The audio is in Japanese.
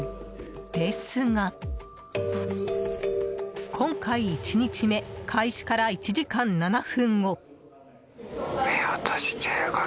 ですが今回１日目開始から１時間７分後。